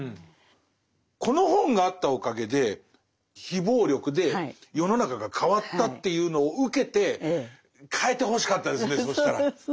この本があったおかげで非暴力で世の中が変わったというのを受けて変えてほしかったですね